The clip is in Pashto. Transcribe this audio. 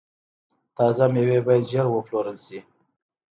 تازه میوې باید ژر وپلورل شي.